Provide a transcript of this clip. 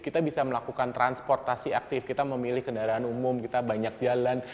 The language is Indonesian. kita bisa melakukan transportasi aktif kita memilih kendaraan umum kita banyak jalan